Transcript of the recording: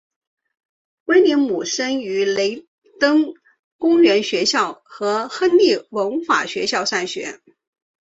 威廉姆森于雷登公园学校和亨利文法学校上学。